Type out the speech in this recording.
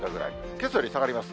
けさより下がります。